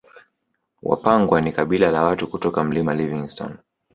Wapangwa ni kabila la watu kutoka Milima Livingstone